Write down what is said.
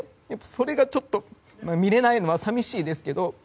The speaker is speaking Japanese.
それがちょっと見れないのは寂しいですけど。